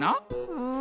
うん？